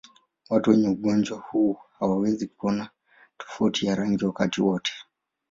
Watu wenye ugonjwa huu hawawezi kuona tofauti ya rangi wakati wote.